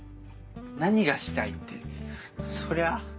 何がしたいってそりゃ。